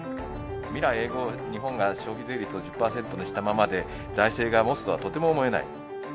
未来永劫、日本が消費税率を１０％にしたままで、財政がもつとはとても思えない。